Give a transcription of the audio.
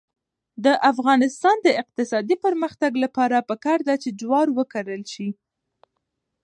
د افغانستان د اقتصادي پرمختګ لپاره پکار ده چې جوار وکرل شي.